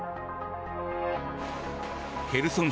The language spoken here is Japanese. ヘルソン